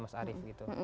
ya mas arief gitu